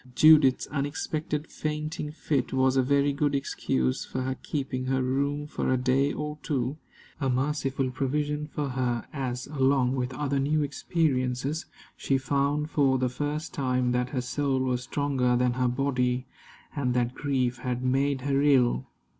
Judith's unexpected fainting fit was a very good excuse for her keeping her room for a day or two a merciful provision for her, as, along with other new experiences, she found for the first time that her soul was stronger than her body, and that grief had made her ill.